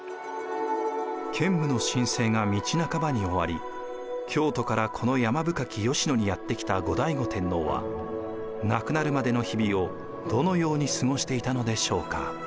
建武の新政が道半ばに終わり京都からこの山深き吉野にやって来た後醍醐天皇は亡くなるまでの日々をどのように過ごしていたのでしょうか。